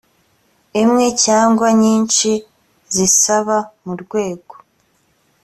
imwe cyangwa nyinshi zisaba mu rwego